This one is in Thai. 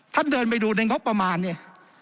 ท่านเดินไปดูในงบประมาณนี้